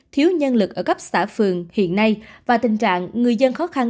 thiếu nhân lực ở cấp xã phường hiện nay và tình trạng người dân khó khăn